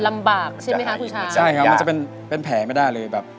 ใช่ไหมคะผู้ชายใช่ครับมันจะเป็นเป็นแผลไม่ได้เลยแบบ